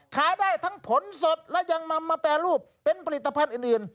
ขายได้ทั้งผลสดและยังนำมาแปรรูปเป็นผลิตภัณฑ์อื่น